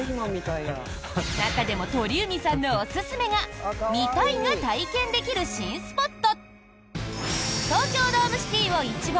中でも鳥海さんのおすすめが「見たい」が体験できる新スポット。